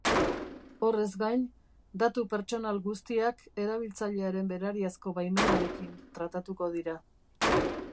Horrez gain, datu pertsonal guztiak erabiltzailearen berariazko baimenarekin tratatuko dira.